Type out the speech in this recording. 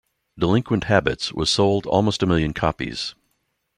"Delinquent Habits" was sold almost a million copies.